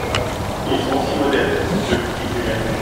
Ils sont si modestes ! le public les gêne.